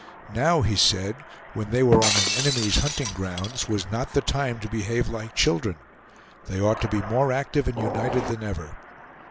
Now, he said, when they were on an enemy's hunting grounds, was not the time to behave like children; they ought to be more active and united than ever.